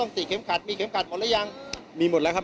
ต้องติดเข็มขัดมีเข็มขัดหมดไหมมีหมดแล้วครับ